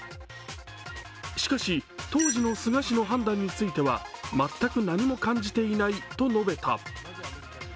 しかし、当時の菅氏の判断については全く何も感じていないと述べた。